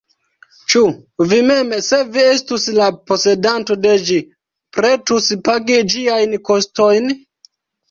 Ĉu vi mem, se vi estus la posedanto de ĝi, pretus pagi ĝiajn kostojn?